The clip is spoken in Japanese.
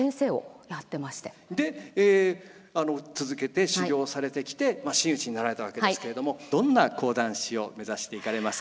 で続けて修業されてきて真打になられたわけですけれどもどんな講談師を目指していかれますか。